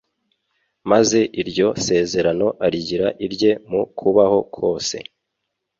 maze iryo sezerano arigira irye mu kubaho kwe kose